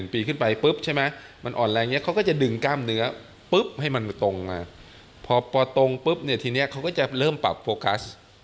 ใช่ไหมมันอ่อนแรงอย่างนี้เขาก็จะดึงกล้ามเนื้อปุ๊บให้มันตรงมาพอตรงปุ๊บเนี่ยทีนี้เขาก็จะเริ่มปรับโฟกัส